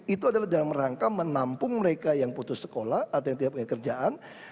itu adalah dalam rangka menampung mereka yang putus sekolah atau yang tidak punya kerjaan